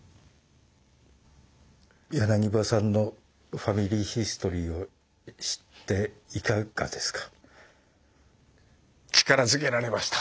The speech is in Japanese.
柳葉さんの「ファミリーヒストリー」を知っていかがですか？